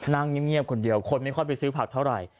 นั่งเงียบคนเดียวคนไม่ค่อยไปซื้อผักเท่าไหร่